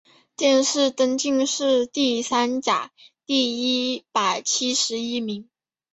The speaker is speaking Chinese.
殿试登进士第三甲第一百七十一名。